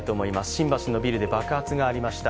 新橋のビルで爆発がありました。